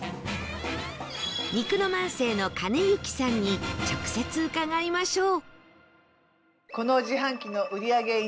肉の万世の金行さんに直接伺いましょう